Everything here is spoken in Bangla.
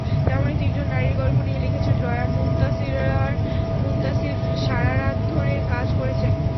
তেমনই তিনজন নারীর গল্প নিয়ে লিখেছেন রয়া মুনতাসীরসারা রাত ধরে কাজ করেছেন।